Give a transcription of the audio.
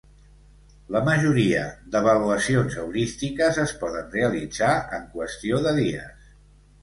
La majoria d'avaluacions heurístiques es poden realitzar en qüestió de dies.